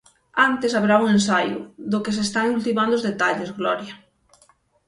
Antes, haberá un ensaio, do que se están ultimando os detalles, Gloria...